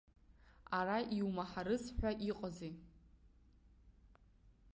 Ара иумаҳарыз ҳәа иҟази.